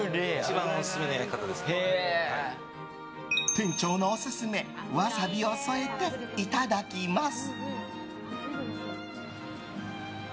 店長のオススメワサビを添えていただきます。